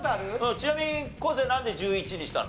ちなみに昴生なんで１１にしたの？